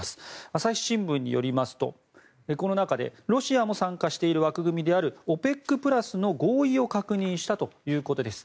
朝日新聞によりますとこの中で、ロシアも参加している枠組みであるＯＰＥＣプラスの合意を確認したということです。